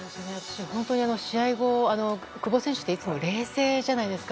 本当に試合後、久保選手っていつも冷静じゃないですか。